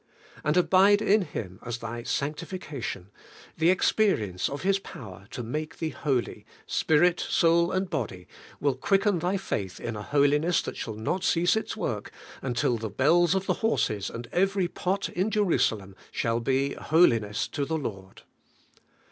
' And abide in Him as thy sanctification ; the experi ence of His power to make thee holy, spirit and soul and body, will quicken thy faith in a holiness that shall not cease its work until the bells of the horses and every pot in Jerusalem shall be Holiness to the Lord.